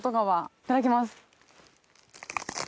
いただきます。